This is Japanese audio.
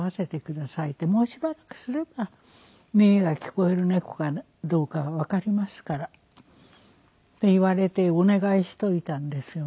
「もうしばらくすれば耳が聞こえる猫かどうかがわかりますから」って言われてお願いしておいたんですよね。